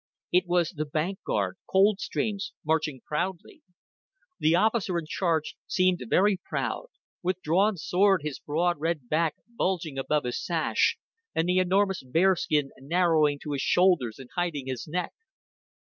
It was the Bank Guard Coldstreams marching proudly. The officer in charge seemed very proud; with drawn sword, his broad red back bulging above his sash, and the enormous bearskin narrowing to his shoulders and hiding his neck.